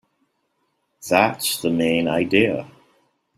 That's the main idea.